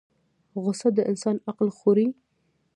غصه د انسان عقل خوري